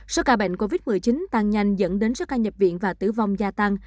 số ca bệnh covid một mươi chín tăng nhanh dẫn đến số ca nhập viện và tử vong gia tăng